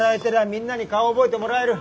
みんなに顔覚えてもらえる。